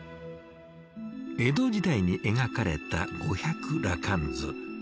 江戸時代に描かれた「五百羅漢図」。